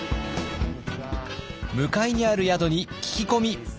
向かいにある宿に聞き込み。